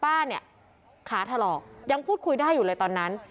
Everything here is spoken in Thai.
ป้าเนี่ยขาถลอกยังพูดคุยได้อยู่เลยตอนนั้น